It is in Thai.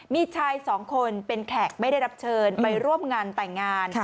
มีชายสองคนเป็นแขกไม่ได้รับเชิญไปร่วมงานแต่งงาน